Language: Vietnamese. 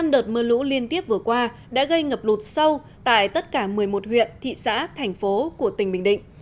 năm đợt mưa lũ liên tiếp vừa qua đã gây ngập lụt sâu tại tất cả một mươi một huyện thị xã thành phố của tỉnh bình định